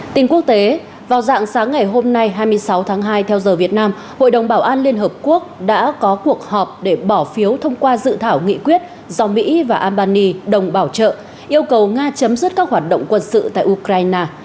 tin quốc tế vào dạng sáng ngày hôm nay hai mươi sáu tháng hai theo giờ việt nam hội đồng bảo an liên hợp quốc đã có cuộc họp để bỏ phiếu thông qua dự thảo nghị quyết do mỹ và albany đồng bảo trợ yêu cầu nga chấm dứt các hoạt động quân sự tại ukraine